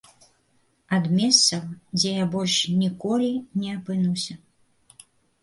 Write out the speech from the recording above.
Ад месцаў, дзе я больш ніколі не апынуся.